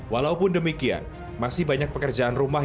walaupun demikian masih banyak pekerjaan rumah